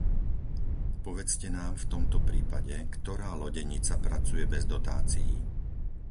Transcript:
Povedzte nám v tomto prípade, ktorá lodenica pracuje bez dotácií.